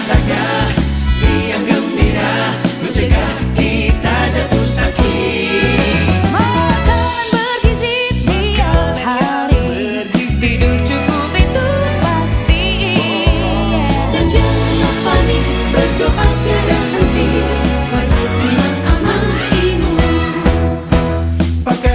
terima kasih banyak